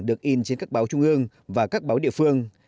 được in trên các báo trung ương và các báo địa phương